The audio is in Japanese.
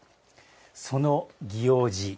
その祇王寺。